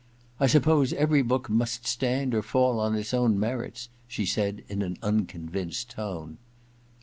* I suppose every book must stand or fall on its own merits/ she said in an unconvinced tone.